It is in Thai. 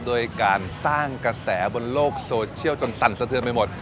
ด้วยการสร้างกระแสบนโลกโซเชียลจนสั่นสะเทือนไปหมด